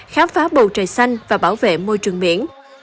khám phá bầu trời xanh và bảo vệ môi trường biển